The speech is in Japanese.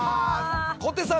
小手さん。